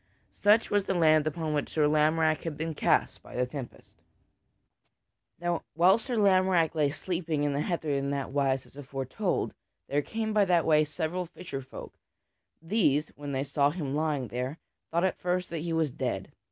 Such was the land upon which Sir Lamorack had been cast by the tempest. [Sidenote: The fisher folk disarm Sir Lamorack] Now whilst Sir Lamorack lay sleeping in the heather in that wise as aforetold, there came by that way several fisher folk; these, when they saw him lying there, thought at first that he was dead.